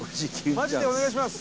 マジでお願いします。